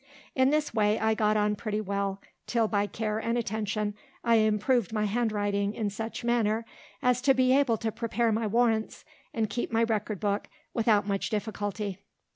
In this way I got on pretty well, till by care and attention I improved my handwriting in such manner as to be able to prepare my warrants, and keep my record book, without much difficulty.